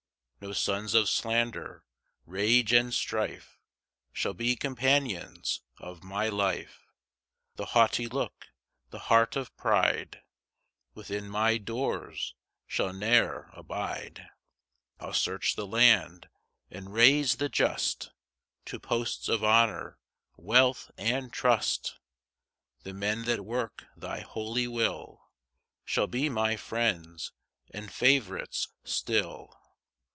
4 No sons of slander, rage and strife Shall be companions of my life; The haughty look, the heart of pride Within my doors shall ne'er abide. 5 [I'll search the land, and raise the just To posts of honour, wealth and trust: The men that work thy holy will, Shall be my friends and favourites still.